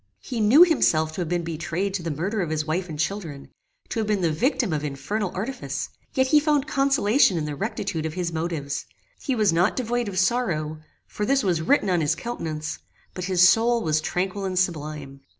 He knew himself to have been betrayed to the murder of his wife and children, to have been the victim of infernal artifice; yet he found consolation in the rectitude of his motives. He was not devoid of sorrow, for this was written on his countenance; but his soul was tranquil and sublime.